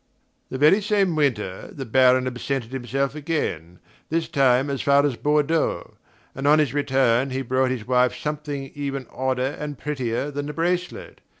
The very same winter, the Baron absented himself again, this time as far as Bordeaux, and on his return he brought his wife something even odder and prettier than the bracelet.